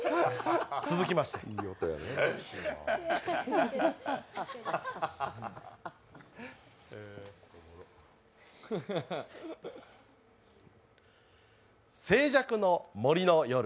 続きまして静寂の森の夜。